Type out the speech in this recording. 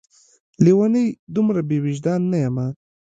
لېونۍ! دومره بې وجدان نه یمه